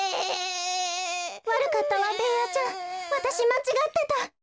わるかったわベーヤちゃんわたしまちがってた。